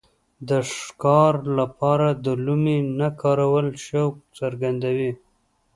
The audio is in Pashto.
د ښکار لپاره د لومې نه کارول شوق څرګندوي.